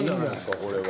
これは。